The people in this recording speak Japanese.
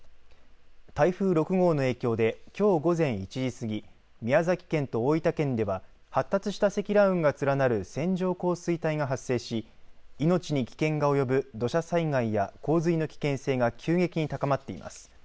台風６号の影響できょう午前１時過ぎ宮崎県と大分県では発達した積乱雲が連なる線状降水帯が発生し命に危険が及ぶ土砂災害や洪水の危険性が急激に高まっています。